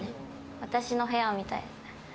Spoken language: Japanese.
私の部屋みたい。